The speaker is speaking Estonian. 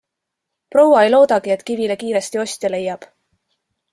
Proua ei loodagi, et kivile kiiresti ostja leiab.